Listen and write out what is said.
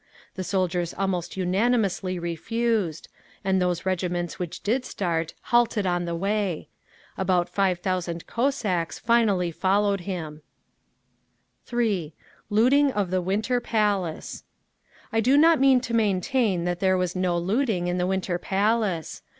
The soldiers almost unanimously refused; and those regiments which did start halted on the way. About five thousand Cossacks finally followed him…. 3. LOOTING OF THE WINTER PALACE I do not mean to maintain that there was no looting, in the Winter Palace.